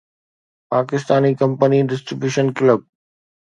Pakistani company 'distribution club'